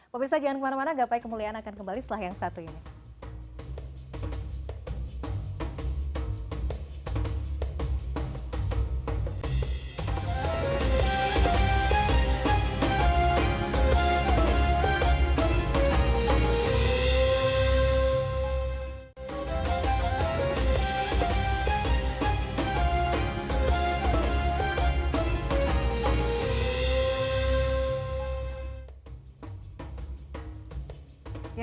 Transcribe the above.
pemirsa jangan kemana mana gapai kemuliaan akan kembali setelah yang satu ini